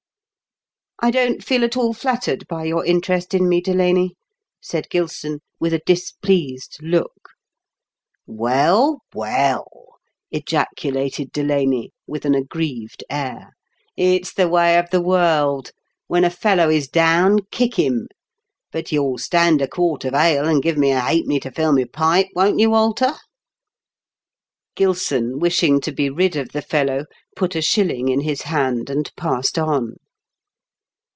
"" I don't feel at all flattered by your interest in me, Delaney," said Gilson, with a displeased look " Well, well !" ejaculated Delaney, with an aggrieved air. " It's the way of the world. When a fellow is down, kick him. But you'll stand a quart of ale, and give me a halfpenny to fill my pipe, won't you, Walter ?" Gilson, wishing to be rid of the fellow, put a shilling in his hand and passed on.